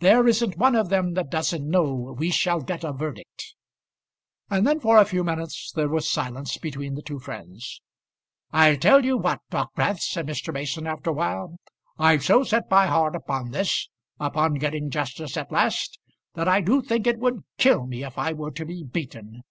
There isn't one of them that doesn't know we shall get a verdict." And then for a few minutes there was silence between the two friends. "I'll tell you what, Dockwrath," said Mr. Mason, after a while; "I've so set my heart upon this upon getting justice at last that I do think it would kill me if I were to be beaten.